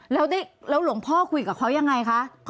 แล้วหลวงพ่อคุยกับเขายังไงคะ